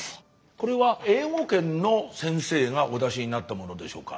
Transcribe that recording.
これは英語圏の先生がお出しになったものでしょうか？